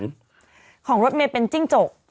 ของลุ้บเม้เป็นจิ้งจก